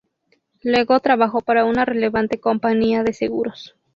Luego trabajó para una relevante compañía de seguros.